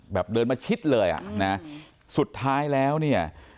เดินมาชิดเลยอ่ะนะสุดท้ายแล้วเนี่ย